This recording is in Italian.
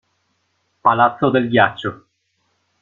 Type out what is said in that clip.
Palazzo del ghiaccio